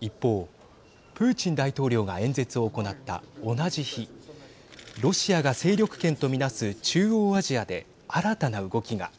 一方、プーチン大統領が演説を行った同じ日ロシアが勢力圏と見なす中央アジアで新たな動きが。